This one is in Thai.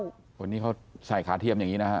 คนนี้เขาใส่ขาเทียมอย่างนี้นะฮะ